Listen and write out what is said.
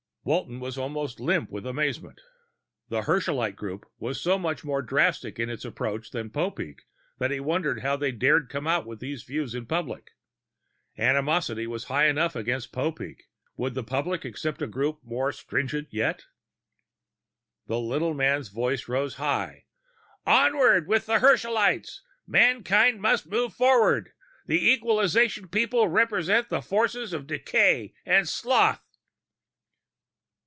Walton was almost limp with amazement. The Herschelite group was so much more drastic in its approach than Popeek that he wondered how they dared come out with these views in public. Animosity was high enough against Popeek; would the public accept a group more stringent yet? The little man's voice rose high. "Onward with the Herschelites! Mankind must move forward! The Equalization people represent the forces of decay and sloth!"